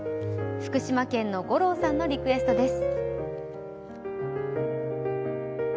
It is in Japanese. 福島県のごろーさんのリクエストです。